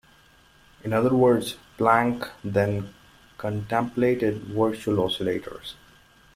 In other words, Planck then contemplated virtual oscillators.